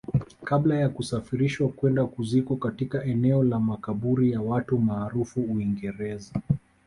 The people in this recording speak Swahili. kabla ya kusafirishwa kwenda kuzikwa katika eneo la makaburi ya watu maarufu Uingereza